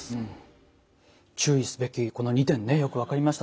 注意すべきこの２点よく分かりました。